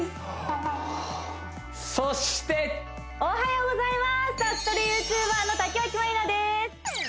そしておはようございます宅トレＹｏｕＴｕｂｅｒの竹脇まりなです